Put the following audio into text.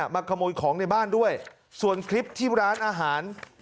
มาขโมยของในบ้านด้วยส่วนคลิปที่ร้านอาหาร